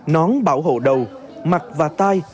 nón bảo hộ đầu mặt và tai